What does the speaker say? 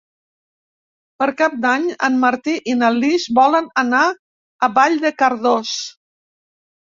Per Cap d'Any en Martí i na Lis volen anar a Vall de Cardós.